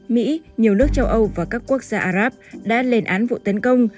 mỹ nhiều nước châu âu và các quốc gia ả ráp đã lên án vụ tấn công